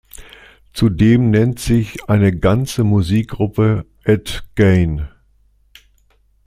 Zudem nennt sich eine ganze Musikgruppe Ed Gein.